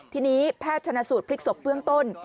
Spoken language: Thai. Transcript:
ทีนี้แพทย์ชนะสูตรพลิกศพเบื้องต้น